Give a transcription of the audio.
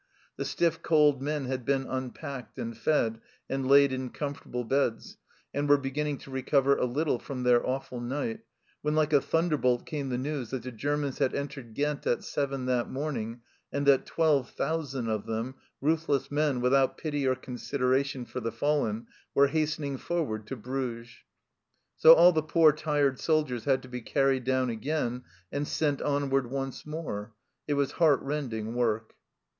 The stiff cold men had been unpacked, and fed, and laid in comfortable beds, and were beginning to recover a little from their awful night, when like a thunder bolt came the news that the Germans had entered Ghent at seven that morning, and that twelve thousand of them, ruthless men, without pity or consideration for the fallen, were hastening forward to Bruges ; so all the poor tired soldiers had to be carried down again, and sent onward once more. It was heart rending work.